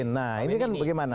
nah ini kan bagaimana